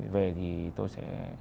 về thì tôi sẽ